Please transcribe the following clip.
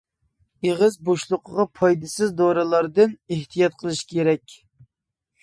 ئېغىز بوشلۇقىغا پايدىسىز دورىلاردىن ئېھتىيات قىلىش كېرەك.